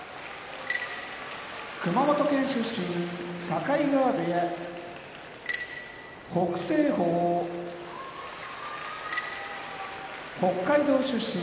熊本県出身境川部屋北青鵬北海道出身